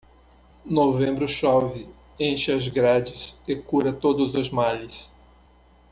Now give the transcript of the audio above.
Novembro chove, enche as grades e cura todos os males.